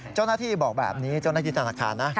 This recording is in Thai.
เจ้าหน้าที่บอกแบบนี้เจ้าหน้าที่ธนาคารนะ